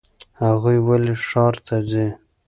هغوی ولې ښار ته ځي؟